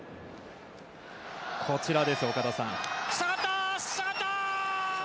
こちらです、岡田さん。